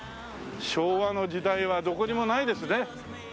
昭和の時代はどこにもないですね。